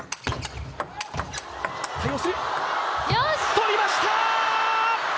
取りました！